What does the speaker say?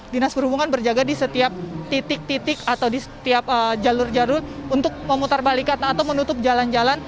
dinas perhubungan berjaga di setiap titik titik atau di setiap jalur jalur untuk memutar balikan atau menutup jalan jalan